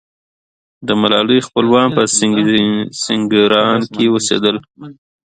د ملالۍ خپلوان په سینګران کې اوسېدل.